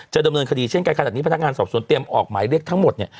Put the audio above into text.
ดำเนินคดีเช่นกันขนาดนี้พนักงานสอบสวนเตรียมออกหมายเรียกทั้งหมดเนี่ย